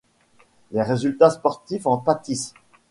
Les résultats sportifs en pâtissent.